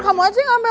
kamu aja yang ambil